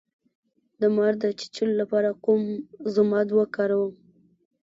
د مار د چیچلو لپاره کوم ضماد وکاروم؟